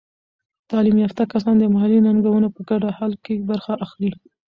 تعلیم یافته کسان د محلي ننګونو په ګډه حل کې برخه اخلي.